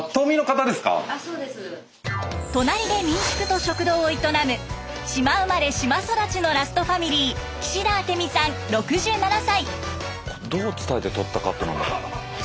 隣で民宿と食堂を営む島生まれ島育ちのラストファミリーどう伝えて撮ったかっていうのが。